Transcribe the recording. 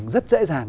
rất dễ dàng